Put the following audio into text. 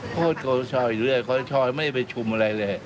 โทษครอสเตอร์ชออีกเรื่องครอสเตอร์ชอไม่ได้ไปชุมอะไรเลย